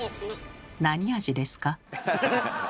何味ですか？